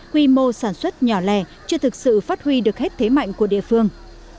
quy mô sản xuất nhỏ lẻ chưa thực sự phát huy được hết thế mạnh của địa phương